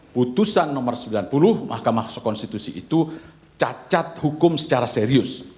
putusan nomor sembilan puluh mahkamah konstitusi itu cacat hukum secara serius